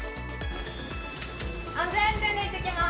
安全運転で行ってきます。